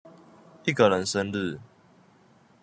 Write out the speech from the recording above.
一個人生日